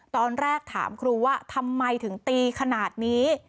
ตอนแรกถามครูว่าทำไมถึงตีขนาดนี้